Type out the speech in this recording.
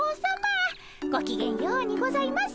ごきげんようにございます。